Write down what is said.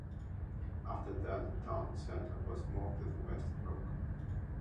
After that the town centre was moved to the Wester brook.